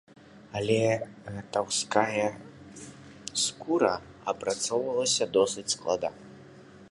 Але гатаўская скура апрацоўвалася досыць складана.